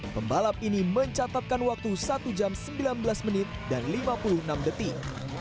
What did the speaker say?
pembalap ini mencatatkan waktu satu jam sembilan belas menit dan lima puluh enam detik